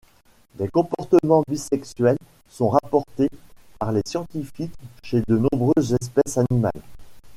Des comportements bisexuels sont rapportés par les scientifiques chez de nombreuses espèces animales.